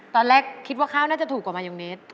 ตอนแรกคิดว่าข้าวน่าจะถูกกว่ามายองเนส